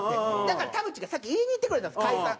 だから田渕が先に言いに行ってくれたんです解散。